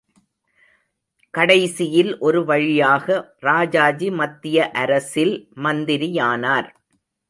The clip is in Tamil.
கடைசியில் ஒரு வழியாக ராஜாஜி மத்திய அரசில் மந்திரியானார்.